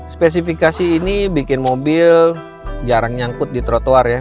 spesifikasi ini bikin mobil jarang nyangkut di trotoar ya